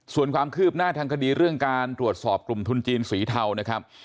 ส่วนความคืบหน้าทางคดีเรื่องการตรวจสอบกลุ่มทุนจีนสีเทานะครับ